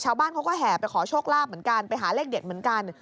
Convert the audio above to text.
ชาวบ้านเขาก็แห่ไปขอโชคลาภเหมือนกันไปหาเลขเด็ดเหมือนกัน